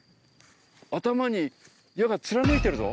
頭に矢が貫いてるぞ。